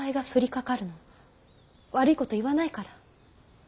悪いこと言わないから。